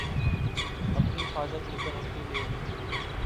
اپنی حفاظت کی گارنٹی لے لی